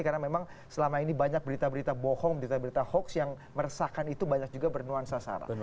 karena memang selama ini banyak berita berita bohong berita berita hoax yang meresahkan itu banyak juga bernuansa searah